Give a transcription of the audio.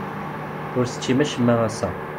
Ur teččim acemma ass-a.